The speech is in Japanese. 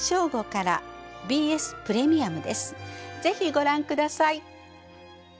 ぜひご覧下さい。